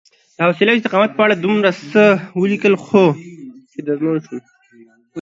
حوصلې او استقامت په اړه مې ډېر څه ولیکل، خو چې دردمن شوم